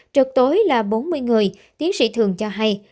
trực tối là bốn mươi người tiến sĩ thường cho hay